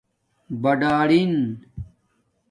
بڑرہنݣ